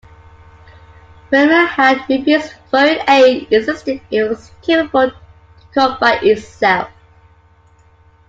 Burma had refused foreign aid, insisting it was capable to cope by itself.